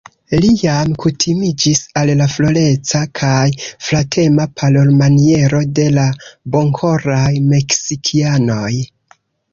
Li jam kutimiĝis al la floreca kaj flatema parolmaniero de la bonkoraj Meksikianoj.